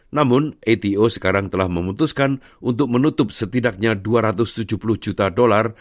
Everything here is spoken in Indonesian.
namun ato sekarang telah memutuskan untuk menutup setidaknya dua ratus tujuh puluh juta dolar